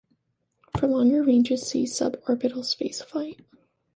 For longer ranges see sub-orbital spaceflight.